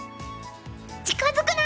近づくな！